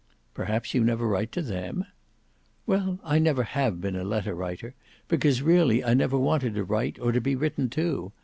"Perhaps you never write to them?" "Well, I never have been a letter writer; because really I never wanted to write or to be written to.